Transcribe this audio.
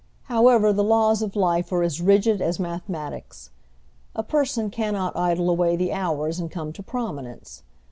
However, the laws of life are as rigid as mathematics. A person cannot idle away the hours and come to prominence.